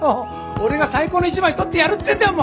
俺が最高の一枚撮ってやるってんだよ